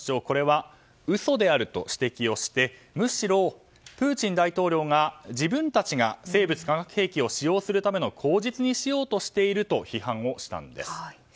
これは嘘であると指摘をしてむしろプーチン大統領が自分たちが生物・化学兵器を使用するための口実にしようとしていると批判をしたんです。